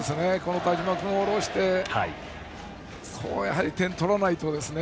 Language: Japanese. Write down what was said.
田嶋君を降ろして点を取らないとですね。